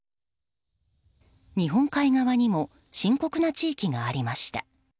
日本海側にも深刻な地域がありました。